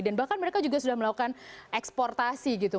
dan bahkan mereka juga sudah melakukan eksportasi gitu